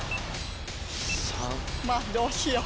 まぁどうしよう。